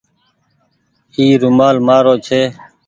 اي رومآل مآرو ڇي۔